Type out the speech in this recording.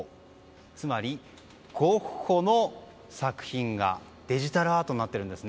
つまり、ゴッホの作品がデジタルアートになってるんです。